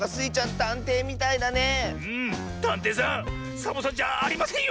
たんていさんサボさんじゃありませんよ。